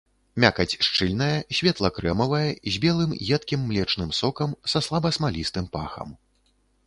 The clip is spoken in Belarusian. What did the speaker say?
Мякаць шчыльная, светла-крэмавая, з белым едкім млечным сокам, са слаба смалістым пахам.